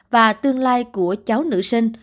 và tương lai của cháu nữ sinh